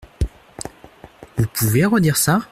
Vous pouvez redire ça ?